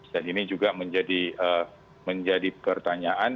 dan ini juga menjadi pertanyaan